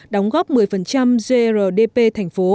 đóng góp một mươi grdpt